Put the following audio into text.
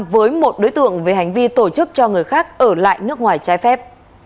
với một đối tượng về hành vi tổ chức cho người khác ở lại nước ngoài trái phép